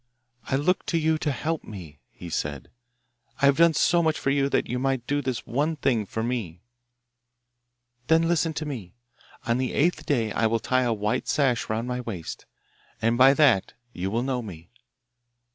'I look to you to help me,' he said. 'I have done so much for you that you might do this one thing for me.' 'Then listen to me. On the eighth day I will tie a white sash round my waist, and by that you will know me.